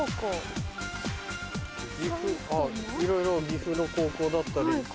いろいろ岐阜の高校だったり。